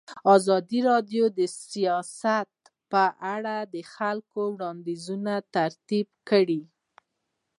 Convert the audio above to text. ازادي راډیو د سیاست په اړه د خلکو وړاندیزونه ترتیب کړي.